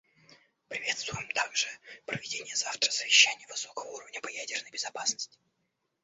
Приветствуем также проведение завтра Совещания высокого уровня по ядерной безопасности.